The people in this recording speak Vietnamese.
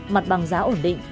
mặt bằng giá ổn định